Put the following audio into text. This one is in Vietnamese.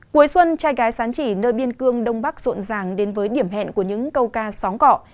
cuối xuân trai gái sán chỉ nơi biên cương đông bắc rộn ràng đến với điểm hẹn của những câu ca xóm cọ